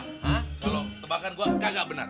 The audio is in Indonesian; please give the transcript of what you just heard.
kalau tebakan gue kagak benar